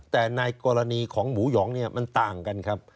แต่ในกรณีของหมูหยองเนี่ยมันต่างกันครับ